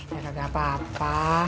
ya enggak apa apa